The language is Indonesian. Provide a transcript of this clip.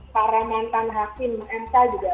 para mantan hakim mk juga